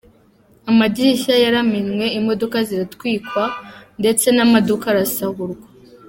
Amadirishya yaramenwe, imodoka ziratwikwa ndetse n'amaduka arasahurwa.